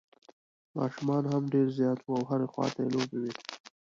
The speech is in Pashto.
ماشومان هم ډېر زیات وو او هر خوا ته یې لوبې وې.